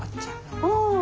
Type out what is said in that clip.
うん。